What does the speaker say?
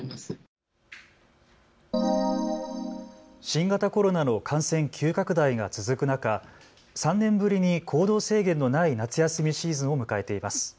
新型コロナの感染急拡大が続く中、３年ぶりに行動制限のない夏休みシーズンを迎えています。